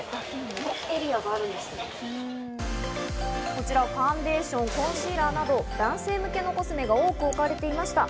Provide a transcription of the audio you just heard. こちらファンデーション、コンシーラーなど男性向けのコスメが多く置かれていました。